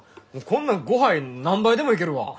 こんなんごはん何杯でもいけるわ。